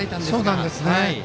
そうなんですよね。